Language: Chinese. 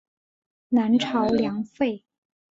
南朝梁废。